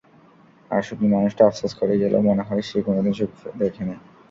আর সুখি মানুষটা আফসোস করে গেলো— মনে হয় সে কোনোদিন সুখ দেখেনি।